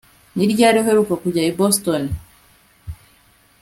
Ni ryari uheruka kujya i Boston